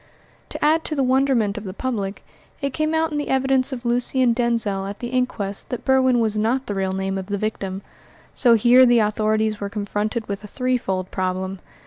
To add to the wonderment of the public, it came out in the evidence of Lucian Denzil at the inquest that Berwin was not the real name of the victim; so here the authorities were confronted with a three fold problem.